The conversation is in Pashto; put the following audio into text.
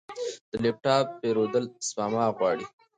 د لپ ټاپ پیرودل سپما غواړي.